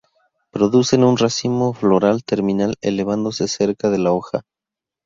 Producen un racimo floral terminal, elevándose cerca de la hoja.